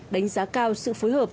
đánh giá cao sự phối hợp